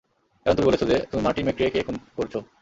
কারণ তুমি বলেছো যে, তুমি মার্টিন মেক্রে কে খুন করছো।